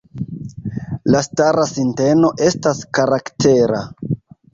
La stara sinteno estas karaktera.